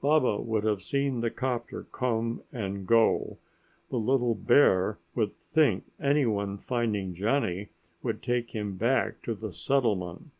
Baba would have seen the 'copter come and go. The little bear would think anyone finding Johnny would take him back to the settlement.